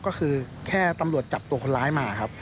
ก็คือแค่ตำรวจจับตัวคนร้ายมาครับ